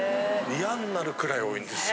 嫌んなるくらい多いんですよ。